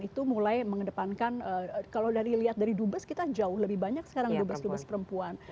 itu mulai mengedepankan kalau lihat dari dubes kita jauh lebih banyak sekarang dubes dubes perempuan